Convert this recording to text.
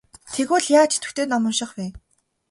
Тэгвэл яаж идэвхтэй ном унших вэ?